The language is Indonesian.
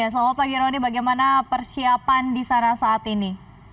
selamat pagi roni bagaimana persiapan di sana saat ini